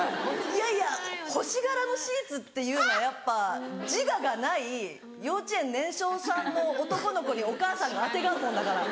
いやいや星柄のシーツっていうのはやっぱ自我がない幼稚園年少さんの男の子にお母さんがあてがうものだから。